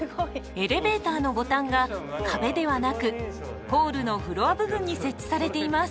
エレベーターのボタンが壁ではなくホールのフロア部分に設置されています。